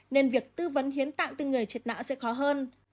nên việc tư vấn hiến tạng từ người chết não sẽ khó hơn